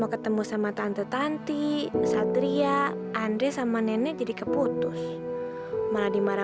karena dia pasti mau morotin